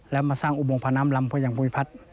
และมาสร้างอุบวงภาน้ำรำพ่วยอย่างมุมิพัฒน์